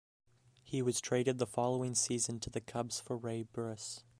He was traded the following season to the Cubs for Ray Burris.